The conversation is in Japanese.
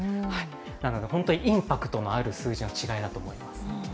なので本当にインパクトのある数字の違いだと思います。